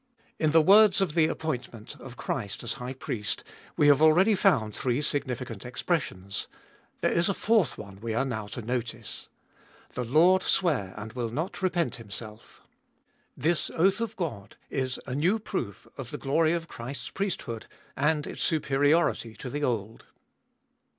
In the words of the appointment of Christ as High Priest we have already found three significant expressions — there is a fourth one we are now to notice. The Lord sware and will not repent Himself : this oath of God is a new proof of the glory of Christ's priesthood and its superiority to the old.